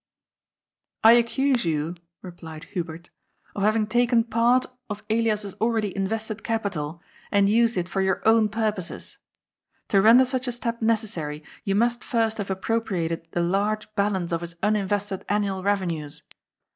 " I accuse you," replied Hubert, " of having taken part of Elias's already invested capital, and used it for your own purposes. To render such a step necessary, you must first have appropriated the large balance of his uninvested annual revenues.